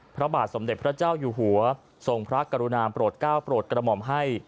พระบาทสมเด็จพระเจ้าอยู่หัวทรงพระกรุณาโปรดก้าวโปรดกระหม่อมให้